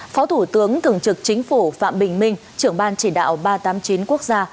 phó thủ tướng thường trực chính phủ phạm bình minh trưởng ban chỉ đạo ba trăm tám mươi chín quốc gia